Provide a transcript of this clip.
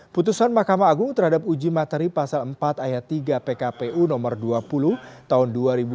putusan mahkamah agung terhadap uji materi pasal empat ayat tiga pkpu nomor dua puluh tahun dua ribu dua puluh